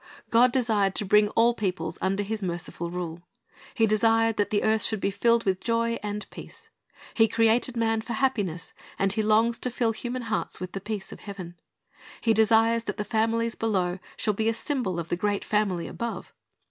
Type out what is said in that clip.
God desired to bring all peoples under His merciful rule. He desired that the earth should be filled with joy and peace. He created man for happiness, and He longs to fill human hearts with the peace of heaven. He desires that the families below shall be a symbol of the great family above.